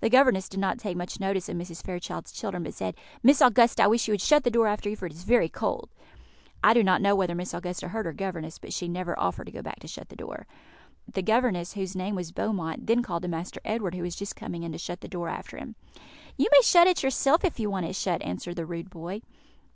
The governess did not take much notice of Mrs. Fairchild's children, but said, "Miss Augusta, I wish you would shut the door after you, for it is very cold." I do not know whether Miss Augusta heard her governess, but she never offered to go back to shut the door. The governess, whose name was Beaumont, then called to Master Edward, who was just coming in, to shut the door after him. "You may shut it yourself, if you want it shut," answered the rude boy.